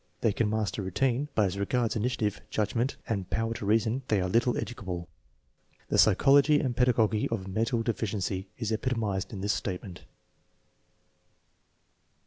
They can master routine, but as regards initiative, judgment, and power to reason they are little educable. The psychology and peda gogy of mental deficiency is epitomized in this statement.